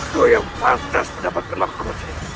siapa yang patas mendapatkan mahu